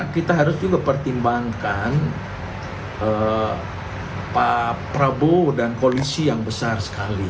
kita harus juga pertimbangkan pak prabowo dan koalisi yang besar sekali